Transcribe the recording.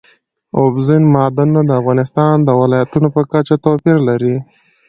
اوبزین معدنونه د افغانستان د ولایاتو په کچه توپیر لري.